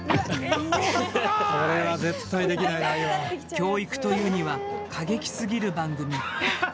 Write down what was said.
教育というには過激すぎる番組。